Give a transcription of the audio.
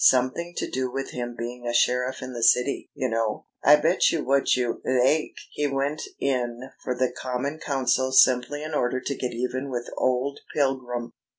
Something to do with him being a sheriff in the City, you know. I bet you what you laike he went in for the Common Council simply in order to get even with old Pilgrim.